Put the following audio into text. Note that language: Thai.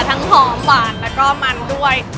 หอมหวานแล้วก็มันด้วย